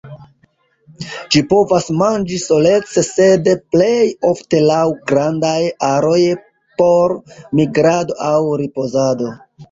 Ĝi povas manĝi solece sed plej ofte laŭ grandaj aroj por migrado aŭ ripozado.